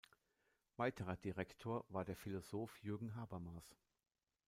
Weiterer Direktor war der Philosoph Jürgen Habermas.